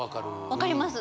わかります？